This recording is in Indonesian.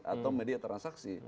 atau media transaksi